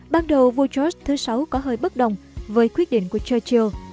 ban đầu vua george vi có hơi bất đồng với quyết định của churchill